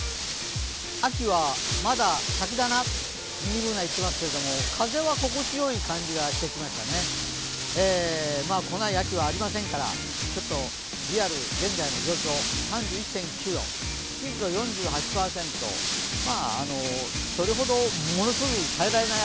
秋はまだ先だな、ミニＢｏｏｎａは言っていますけれども風は心地よい感じがしてきましたね。来ない秋はありませんから、リアル、現在の状況３１．９度、湿度４８％、それほどものすごく耐えられない